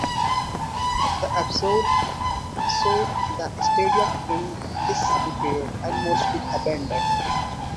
The episode showed the stadium in disrepair and mostly abandoned.